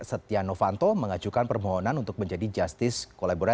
setia novanto mengajukan permohonan untuk menjadi justice